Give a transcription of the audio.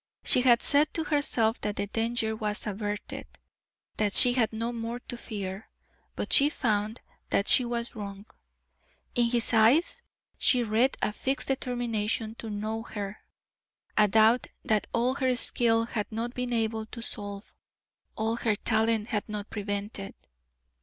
She had said to herself that the danger was averted, that she had no more to fear, but she found that she was wrong. In his eyes she read a fixed determination to know her a doubt that all her skill had not been able to solve, all her talent had not prevented.